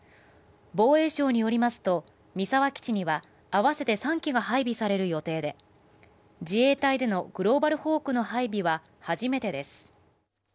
防衛省によりますと三沢基地には合わせて３機が配備される予定で自衛隊でのグローバルホークの配備は初めてです。